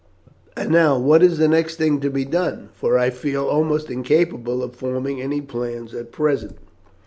And now what is the next thing to be done, for I feel almost incapable of forming any plans at present?"